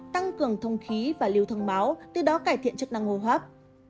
tăng cường thông khí và lưu thân máu từ đó cải thiện chức năng ngô hấp